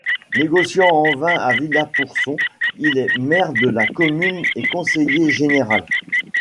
Négociant en vins à Villapourçon, il est maire de la commune et conseiller général.